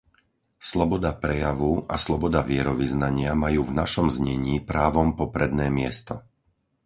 Sloboda prejavu a sloboda vierovyznania majú v našom znení právom popredné miesto.